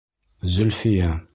Зөлфиә...